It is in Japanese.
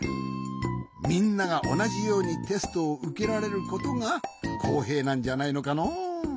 みんながおなじようにテストをうけられることがこうへいなんじゃないのかの？